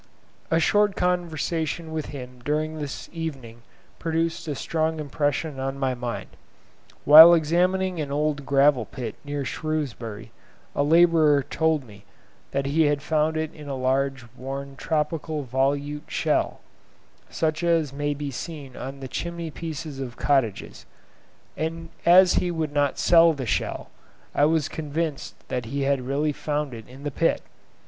A short conversation with him during this evening produced a strong impression on my mind. Whilst examining an old gravel pit near Shrewsbury, a labourer told me that he had found in it a large worn tropical Volute shell, such as may be seen on the chimney pieces of cottages; and as he would not sell the shell, I was convinced that he had really found it in the pit.